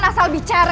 jangan asal bicara